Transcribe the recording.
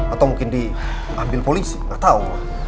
atau mungkin diambil polisi nggak tahu